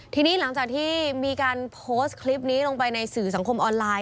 ทีนี้หลังจากที่มีการโพสต์คลิปนี้ลงไปในสื่อสังคมออนไลน์